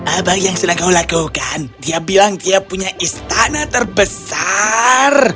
apa yang sudah kau lakukan dia bilang dia punya istana terbesar